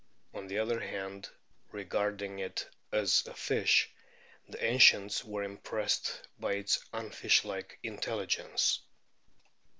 On the other hand, regarding it as a fish, the ancients were impressed by its unfish like intelligence.